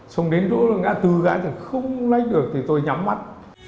xong đến đối với ngã tư gãi thì không lách được thì tôi nhắm mắt